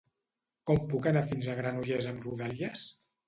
Com puc anar fins a Granollers amb Rodalies?